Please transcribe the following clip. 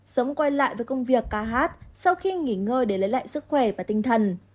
sớm quay lại với công việc ca hát sau khi nghỉ ngơi để lấy lại sức khỏe và tinh thần